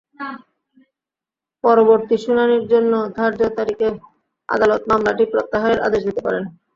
পরবর্তী শুনানির জন্য ধার্য তারিখে আদালত মামলাটি প্রত্যাহারের আদেশ দিতে পারেন।